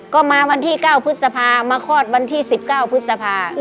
ก็มาวันที่๙พฤษภามาคลอดวันที่๑๙พฤษภา